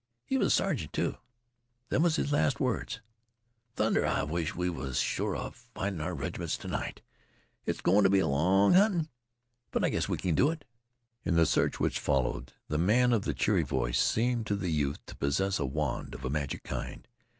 He was a sergeant, too. Them was his last words. Thunder, I wish we was sure 'a findin' our reg'ments t' night. It 's goin' t' be long huntin'. But I guess we kin do it." In the search which followed, the man of the cheery voice seemed to the youth to possess a wand of a magic kind.